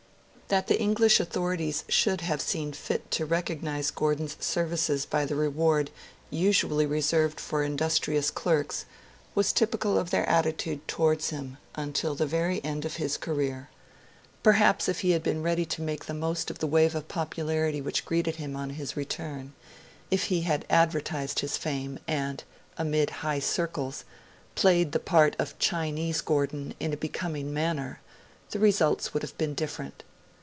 That the English authorities should have seen fit to recognise Gordon's services by the reward usually reserved for industrious clerks was typical of their attitude towards him until the very end of his career. Perhaps if he had been ready to make the most of the wave of popularity which greeted him on his return if he had advertised his fame and, amid high circles, played the part of Chinese Gordon in a becoming manner the results would have been different.